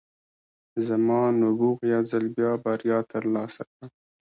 زما نبوغ یو ځل بیا بریا ترلاسه کړه